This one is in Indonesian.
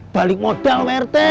balik modal pak rete